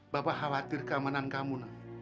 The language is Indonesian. bapak khawatir keamanan kamu